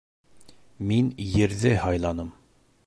Мин Ерҙе һайланым.